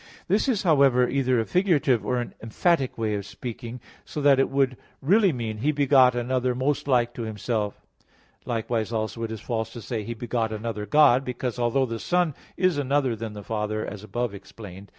This is, however, either a figurative or an emphatic way of speaking, so that it would really mean, "He begot another most like to Himself." Likewise also it is false to say, "He begot another God," because although the Son is another than the Father, as above explained (Q. 31, A.